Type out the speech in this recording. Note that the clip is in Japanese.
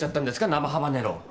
生ハバネロ。